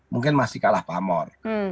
mungkin masih kalah pamor